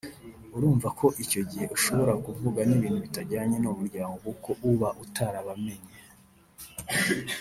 urumva ko icyo gihe ushobora kuvuga n’ibintu bitajyanye n’uwo muryango kuko uba utarabamenya